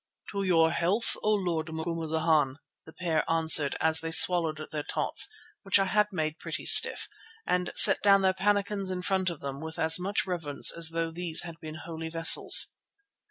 "To your health, O Lord Macumazana," the pair answered as they swallowed their tots, which I had made pretty stiff, and set down their pannikins in front of them with as much reverence as though these had been holy vessels.